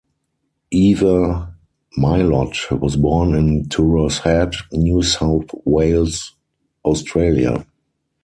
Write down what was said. Eva Mylott was born in Tuross Head, New South Wales, Australia.